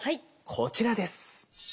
こちらです。